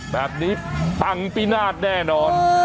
แบบนี้ตังปินาศแน่นอน